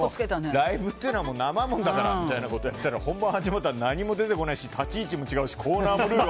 ライブっていうのは生ものだからみたいなこと言ったら本番始まったら何も出てこないし立ち位置も違うし。